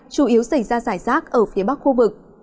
chủ yếu xảy ra giải rác ở phía bắc khu vực